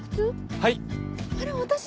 はい。